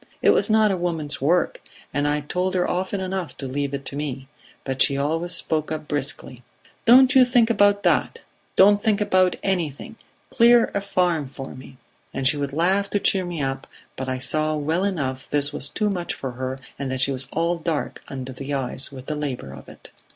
It was not a woman's work, and I told her often enough to leave it to me, but she always spoke up briskly: 'Don't you think about that don't think about anything clear a farm for me.' And she would laugh to cheer me up, but I saw well enough this was too much for her, and that she was all dark under the eyes with the labour of it.